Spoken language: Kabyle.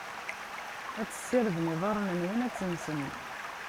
Ad tessirdem iḍarren-nwen, ad tensem.